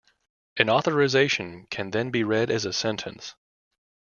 An authorization can then be read as a sentence.